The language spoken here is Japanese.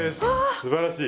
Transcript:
すばらしい。